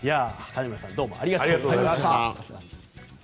金村さんどうもありがとうございました。